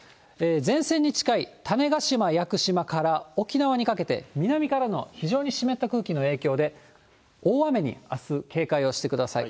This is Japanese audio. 前線に近い種子島、屋久島から沖縄にかけて、南からの非常に湿った空気の影響で、大雨にあす、警戒をしてください。